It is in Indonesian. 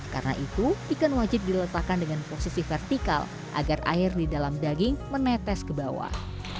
karena itu ikan wajib diletakkan dengan posisi vertikal agar air di dalam daging menetes ke bawah